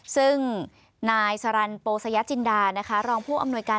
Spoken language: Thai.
ซึ่งนายสรรโปสยจินดานะคะรองผู้อำนวยการ